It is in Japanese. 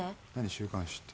週刊誌って。